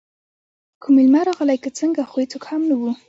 کوم میلمه راغلی که څنګه، خو هېڅوک هم نه وو.